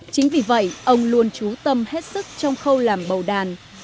chính vì vậy ông luôn trú tâm hết sức trong khâu làm bầu đàn